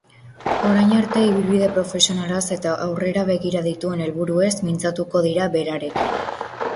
Orain arte ibilbide profesionalaz eta aurrera begira dituen helburuez mintzatuko dira berarekin.